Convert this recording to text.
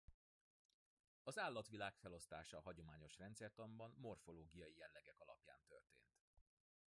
Az állatvilág felosztása a hagyományos rendszertanban morfológiai jellegek alapján történt.